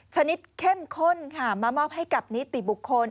ชนิดเข้มข้นค่ะมามอบให้กับนิติบุคคล